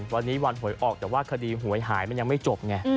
วันนี้วันหวยออกแต่ว่าคดีหวยหายมันยังไม่จบไง